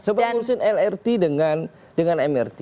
sebuah kursus lrt dengan mrt